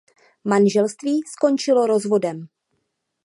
Manželství skončilo rozvodem.